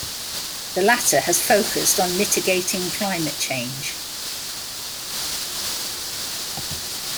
The latter has focused on mitigating climate change.